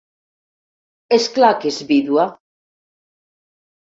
És clar que és vídua!